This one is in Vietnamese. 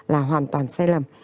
là hoàn toàn sai lầm